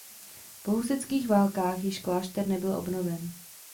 Po husitských válkách již klášter nebyl obnoven.